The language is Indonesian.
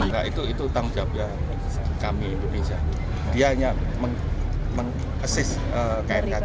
tapi secara penuh investigasi semua dari knkt